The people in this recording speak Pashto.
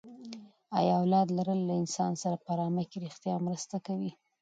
ایا اولاد لرل له انسان سره په ارامي کې ریښتیا مرسته کوي؟